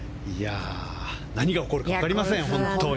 何が起こるか分かりません本当に。